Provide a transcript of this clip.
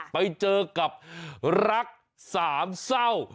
ไปเจอกับรักสามเศร้า